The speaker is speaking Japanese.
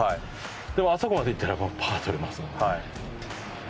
でもあそこまでいったらもうパーとれますもんね。